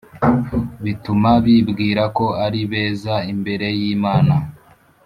bituma bibwira ko ari beza imbere y'Imana.